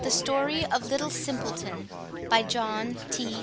STORY OF LITTLE SIMPLETON By John T.